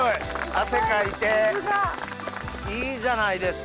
汗かいていいじゃないですか。